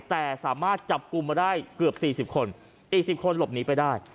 แต่สามารถจับกลุ่มมาได้เกือบ๔๐คนอีก๑๐คนหลบหนีไปได้